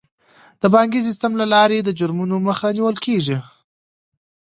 د بانکي سیستم له لارې د جرمونو مخه نیول کیږي.